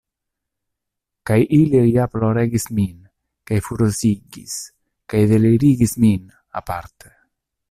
Kaj ili ja ploregis min kaj furiozigis kaj delirigis min, aparte.